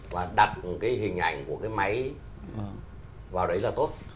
và đặt cái hình ảnh của cái máy vào đấy là tốt